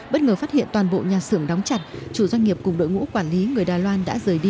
bất ngờ phát hiện toàn bộ nhà xưởng đóng chặt chủ doanh nghiệp cùng đội ngũ quản lý người đài loan đã rời đi